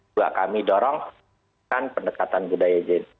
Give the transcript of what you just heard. juga kami dorongkan pendekatan budaya